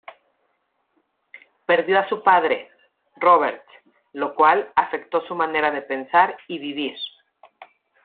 Perdió a su padre, Robert, lo cual afectó su manera de pensar y vivir.